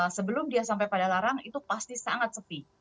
sebelum dia sampai padalarang itu pasti sangat sepi